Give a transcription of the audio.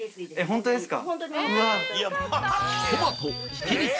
本当ですか